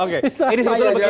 oke ini sebetulnya begini